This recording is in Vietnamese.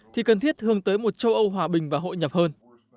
thì cần thiết hướng tới một châu âu hòa bình và hội nhập hơn